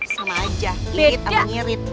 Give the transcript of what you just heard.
sama aja irit sama ngirit